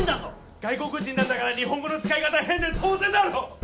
外国人なんだから日本語の使い方変で当然だろ？